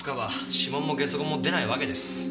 指紋もゲソ痕も出ないわけです。